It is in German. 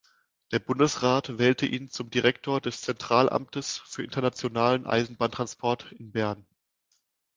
Der Bundesrat wählte ihn zum Direktor des Zentralamtes für internationalen Eisenbahntransport in Bern.